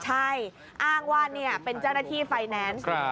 ใช่อ้างว่าเป็นเจ้าหน้าที่ไฟแนนซ์